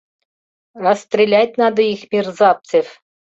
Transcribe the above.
Расстрелять надо их, мерзавцев!